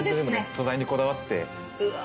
素材にこだわって。